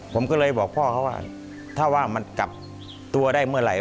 ผมก็เลยบอกพ่อเขาว่าถ้าว่ามันกลับตัวได้เมื่อไหร่